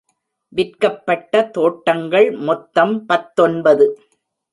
விற்கப்பட்ட தோட்டங்கள் மொத்தம் பத்தொன்பது.